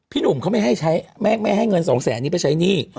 พี่หนุ่มเขาไม่ให้เงิน๒๐๐๐๐๐บาทไปใช้หนี้